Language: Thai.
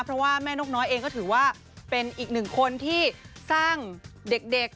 เพราะว่าแม่นกน้อยเองก็ถือว่าเป็นอีกหนึ่งคนที่สร้างเด็ก